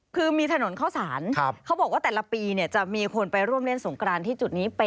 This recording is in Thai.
คือมีถนนเข้าสารเขาบอกว่าแต่ละปีจะมีคนไปร่วมเล่นสงกรานที่จุดนี้